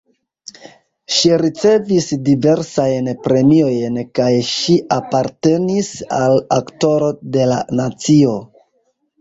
Ŝi ricevis diversajn premiojn kaj ŝi apartenis al Aktoro de la nacio.